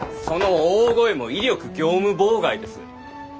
その大声も威力業務妨害です。